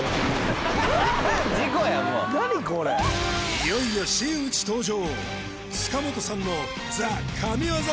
いよいよ真打ち登場